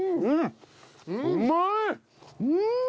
うん。